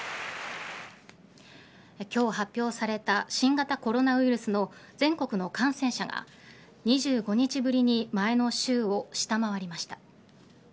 今日発表された新型コロナウイルスの全国の感染者が２５日ぶりに前の週を下回りました。